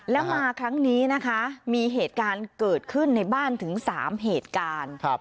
แล้วมาครั้งนี้นะคะมีเหตุการณ์เกิดขึ้นในบ้านถึง๓เหตุการณ์